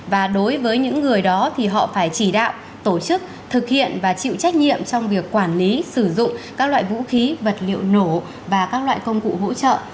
và đối với những người đó thì họ phải chỉ đạo tổ chức thực hiện và chịu trách nhiệm trong việc quản lý sử dụng các loại vũ khí vật liệu nổ và các loại công cụ hỗ trợ